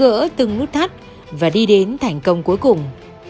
gỡ từng nút thắt và đi đến thành công cuối cùng